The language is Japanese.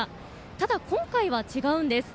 ただ、今回は違うんです。